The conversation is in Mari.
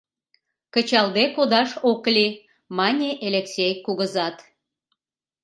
— Кычалде кодаш ок лий, — мане Элексей кугызат.